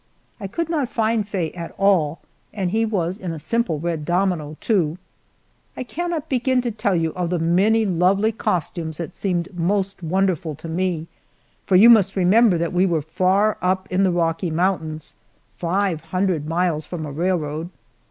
I could not find Faye at all, and he was in a simple red domino, too. I cannot begin to tell you of the many lovely costumes that seemed most wonderful to me, for you must remember that we were far up in the Rocky Mountains, five hundred miles from a railroad!